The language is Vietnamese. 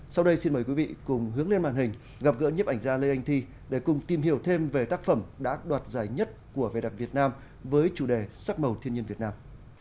sau đây xin mời quý vị cùng hướng lên màn hình gặp gỡ nhếp ảnh gia lê anh thi để cùng tìm hiểu thêm về tác phẩm đã đoạt giải nhất của vẻ đẹp việt nam với chủ đề sắc màu thiên nhiên việt nam